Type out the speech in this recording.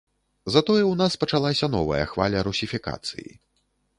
Затое ў нас пачалася новая хваля русіфікацыі.